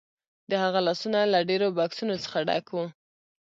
د هغه لاسونه له ډیرو بکسونو څخه ډک وو